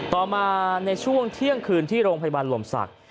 ต่อมาในช่วงเที่ยงคืนที่โรงพยาบาลลมศักดิ์